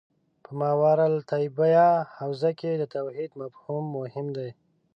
په ماورا الطبیعه حوزه کې د توحید مفهوم مهم دی.